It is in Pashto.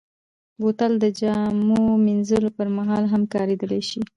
بوتل د جامو مینځلو پر مهال هم کارېدلی شي.